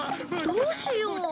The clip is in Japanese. どうしよう。